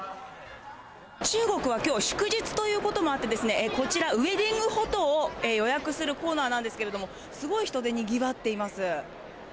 中国はきょう、祝日ということもあって、こちら、ウエディングフォトを予約するコーナーなんですけれども、すごい人でにぎわっています。